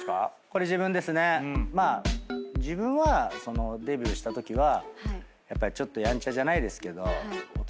自分はデビューしたときはやっぱりちょっとやんちゃじゃないですけど。